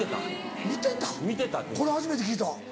これ初めて聞いた。